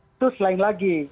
itu selain lagi